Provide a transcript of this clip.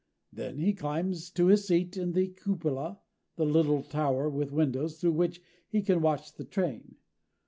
Then he climbs to his seat in the cupola the little tower with windows through which he can watch the train.